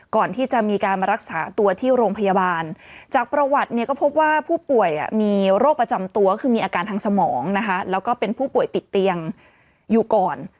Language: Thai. ก่อนที่จะมีการมารักษาตัวที่โรงพยาบาลจากประวัติเนี่ยก็พบว่าผู้ป่วยมีโรคประจำตัวคือมีอาการทางสมองนะคะแล้วก็เป็นผู้ป่วยติดเตียงอยู่ก่อน